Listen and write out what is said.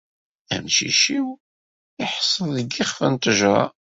Amcic-iw yeḥṣel deg yixef n ttejra.